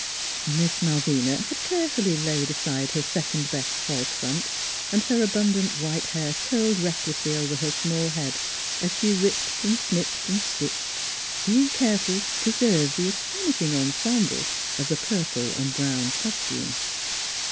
Miss Malvina had carefully laid side her sec ond best false front and her abundant white hair curled recklessly over her small head as she ripped and snipped and stitched, being careful to pre serve the astonishing ensemble of the purple and brown costume.